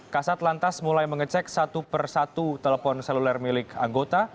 kasat lantas mulai mengecek satu persatu telepon seluler milik anggota